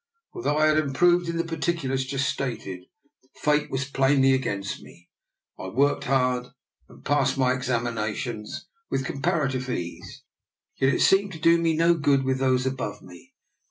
For though I had improved in the particulars just stated, Fate was plainly against me. I worked hard and passed my examinations DR. NIKOLA'S EXPERIMENT. 2 1 with comparative ease; yet it seemed to do me no good with those above me.